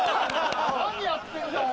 ・何やってんだよ！